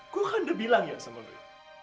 gue kan udah bilang ya sama lo ya